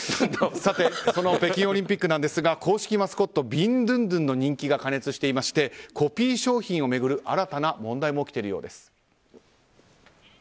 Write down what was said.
さて北京オリンピックですが公式マスコットビンドゥンドゥンの人気が過熱していましてコピー商品をめぐる新たな問題も起きているようです。